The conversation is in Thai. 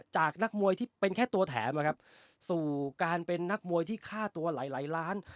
จากนักมวยที่เป็นแค่ตัวแถมนะครับสู่การเป็นนักมวยที่ค่าตัวหลายหลายล้าน